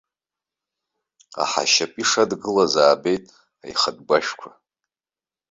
Аҳа ашьапы ишадгылаз аабеит аихатә гәашәқәа.